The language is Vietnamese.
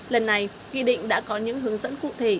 lần này nghị định đã có những hướng dẫn cụ thể